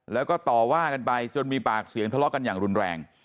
แล้วก็ต่อว่ากันไปจนมีปากเสียงทะเลาะกันอย่างรุนแรง